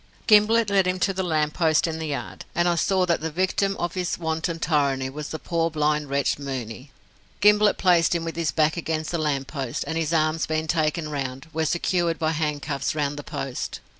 Gimblett led him to the lamp post in the yard, and I saw that the victim of his wanton tyranny was the poor blind wretch Mooney. Gimblett placed him with his back against the lamp post, and his arms being taken round, were secured by handcuffs round the post.